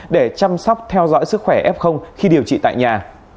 để chăm sóc theo dõi sức khỏe f khi điều trị tại nhà